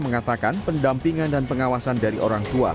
mengatakan pendampingan dan pengawasan dari orang tua